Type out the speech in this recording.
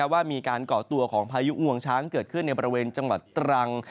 ว่ามีการก่อตัวของพายุงวงช้างเกิดขึ้นในบริเวณจังหวัดตรัง